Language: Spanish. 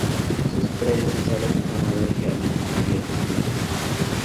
Sus predecesores Amador y Germán escribieron su vida.